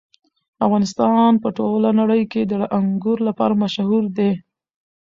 افغانستان په ټوله نړۍ کې د انګور لپاره مشهور دی.